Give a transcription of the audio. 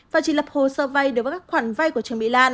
và chỉ lập hồ sơ vai đều với các khoản vai của trương mỹ lan